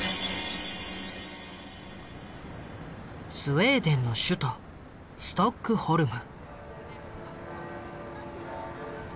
スウェーデンの首都ストックホルム。